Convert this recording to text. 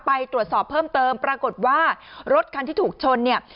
ไปตรวจสอบเพิ่มเติมปรากฏว่ารถคันที่ถูกชนเนี่ย